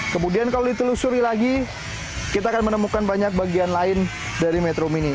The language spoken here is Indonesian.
kemudian kalau ditelusuri lagi kita akan menemukan banyak bagian lain dari metro mini